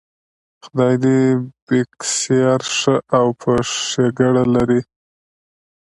خدای دې بېکسیار ښه او په ښېګړه لري.